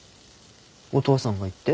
お父さんが言って？